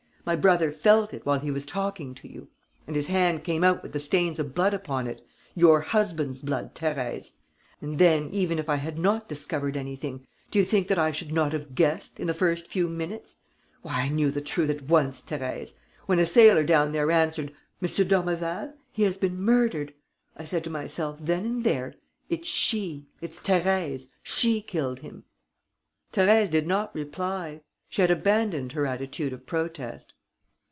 My brother felt it, while he was talking to you; and his hand came out with stains of blood upon it: your husband's blood, Thérèse. And then, even if I had not discovered anything, do you think that I should not have guessed, in the first few minutes? Why, I knew the truth at once, Thérèse! When a sailor down there answered, 'M. d'Ormeval? He has been murdered,' I said to myself then and there, 'It's she, it's Thérèse, she killed him.'" Thérèse did not reply. She had abandoned her attitude of protest.